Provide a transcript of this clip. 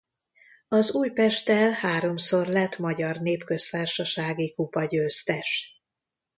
Az Újpesttel háromszor lett Magyar Népköztársasági Kupa-győztes.